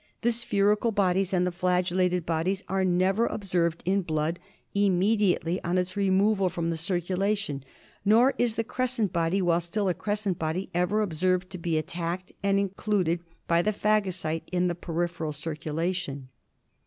The spherical bodies and the flagellated bodies are never observed in blood immediately on its removal from the circulation ; nor is the crescent body, while still a crescent body, ever observed to be attacked and included by the phagocyte in the peripheral circulation.